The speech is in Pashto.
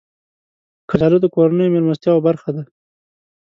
کچالو د کورنیو میلمستیاو برخه ده